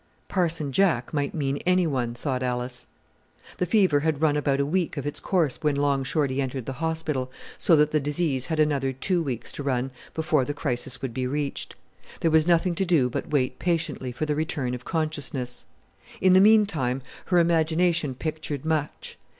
"Parson Jack" might mean any one, thought Alice. The fever had run about a week of its course when Long Shorty entered the hospital, so that the disease had another two weeks to run before the crisis would be reached. There was nothing to do but wait patiently for the return of consciousness. In the meantime, her imagination pictured much.